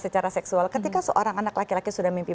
secara seksual ketika seorang anak laki laki sudah mimpi